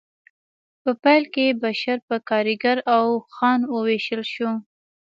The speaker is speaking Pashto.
په پیل کې بشر په کارګر او خان وویشل شو